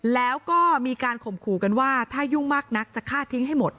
แล้วก็มีการข่มขู่กันว่าถ้ายุ่งมากนักจะฆ่าทิ้งให้หมด